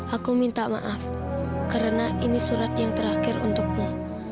aku minta maaf karena ini surat yang terakhir untukmu